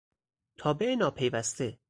تابع ناپیوسته